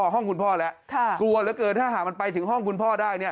ห้องคุณพ่อแล้วกลัวเหลือเกินถ้าหากมันไปถึงห้องคุณพ่อได้เนี่ย